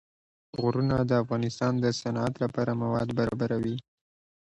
غرونه د افغانستان د صنعت لپاره مواد برابروي.